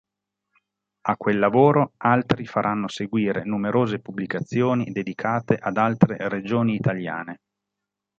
A quel lavoro, altri faranno seguire numerose pubblicazioni dedicate ad altre regioni italiane.